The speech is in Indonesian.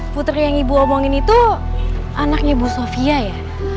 putri yang ibu omongin itu anaknya bu sophia ya